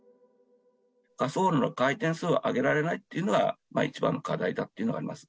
火葬炉の回転数を上げられないっていうのが、一番の課題だっていうのがあります。